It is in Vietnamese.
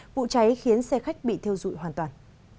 vụ cháy khiến xe khách bị theo dụi hoàn toàn